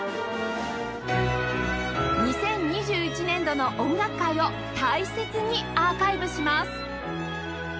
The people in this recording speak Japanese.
２０２１年度の音楽界を大切にアーカイブします